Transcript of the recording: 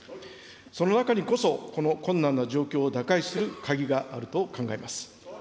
その中にこそ、この困難な状況を打開する鍵があると考えます。